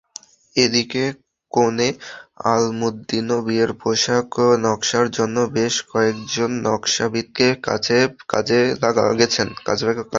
এদিকে কনে আলমুদ্দিনও বিয়ের পোশাক নকশার জন্য বেশ কয়েকজন নকশাবিদের কাছে গেছেন।